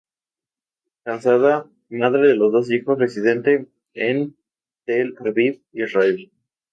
Casada, madre de dos hijos y residente en Tel Aviv, Israel.